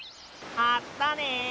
まったね！